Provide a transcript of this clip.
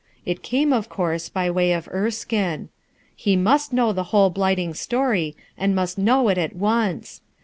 It came, of course, by way of lj>kme, lie must know the whole blighting story and must know it at once.